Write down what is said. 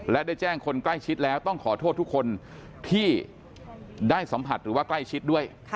และได้แจ้งคนใกล้ชิดแล้วต้องขอโทษทุกคนที่ได้สัมผัสหรือว่าใกล้ชิดด้วย